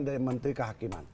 dari menteri kehakiman